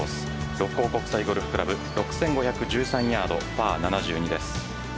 六甲国際ゴルフ倶楽部６５１３ヤード、パー７２です。